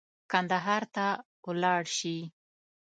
کندهار ته ولاړ شي.